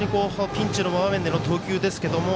ピンチの場面での投球ですけれども